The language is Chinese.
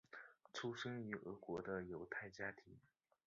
出生于俄国的犹太家庭。